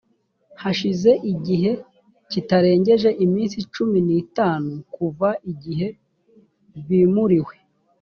hashize igihe kitarengeje iminsi cumi n itanu kuva igihe bimuriwe